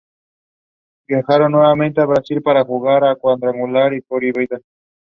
Water leaving the powerhouse is diverted into the fish ponds.